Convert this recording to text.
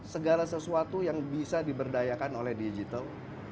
segala sesuatu yang bisa diberdayakan oleh digital